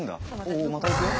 おおまたいくよ？